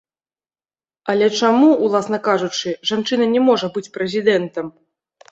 Але чаму, уласна кажучы, жанчына не можа быць прэзідэнтам?